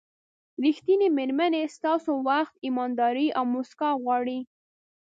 ریښتینې مېرمنې ستاسو وخت، ایمانداري او موسکا غواړي.